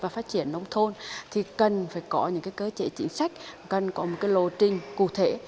phát triển nông thôn thì cần phải có những cơ chế chính sách cần có một lô trình cụ thể